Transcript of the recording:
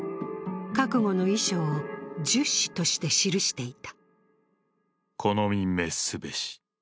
覚悟の遺書を「述志」として記していた。